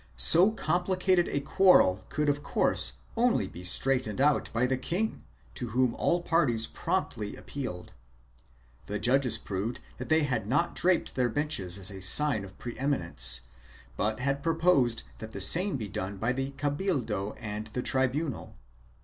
So complicated a quarrel could of course only be straightened out by the king to whom all parties promptly appealed. The judges proved that they had not draped their benches as a sign of pre eminence but had proposed that the same be done by the cabildo and the tribunal.